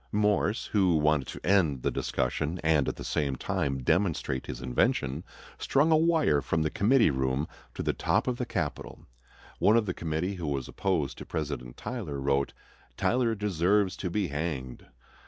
Morse, who wanted to end the discussion and at the same time demonstrate his invention, strung a wire from the committee room to the top of the Capitol. One of the committee, who was opposed to President Tyler, wrote, "Tyler deserves to be hanged."